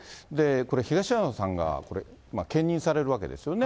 これ、東山さんがこれ、兼任されるわけですよね。